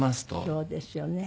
そうですよね。